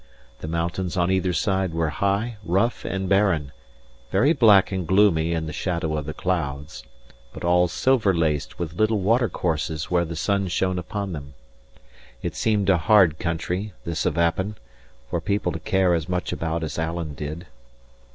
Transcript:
The mountains on either side were high, rough and barren, very black and gloomy in the shadow of the clouds, but all silver laced with little watercourses where the sun shone upon them. It seemed a hard country, this of Appin, for people to care as much about as Alan did.